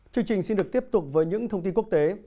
chương trình xin được tiếp tục với những thông tin quốc tế